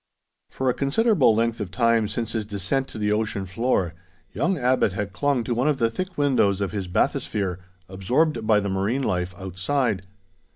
For a considerable length of time since his descent to the ocean floor, young Abbot had clung to one of the thick windows of his bathysphere, absorbed by the marine life outside.